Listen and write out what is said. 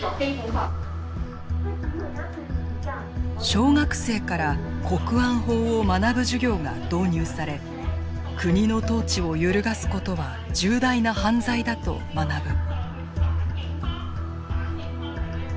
小学生から国安法を学ぶ授業が導入され国の統治を揺るがすことは重大な犯罪だと学ぶ。